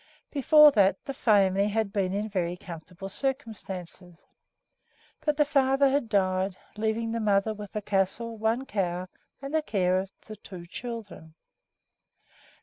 Before that the family had been in very comfortable circumstances; but the father had died, leaving the mother with the castle, one cow, and the care of the two children.